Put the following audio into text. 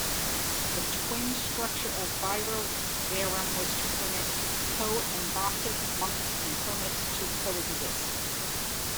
The twin structure of Vivarium was to permit coenobitic monks and hermits to coexist.